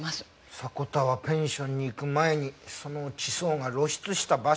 迫田はペンションに行く前にその地層が露出した場所を歩いたって事か。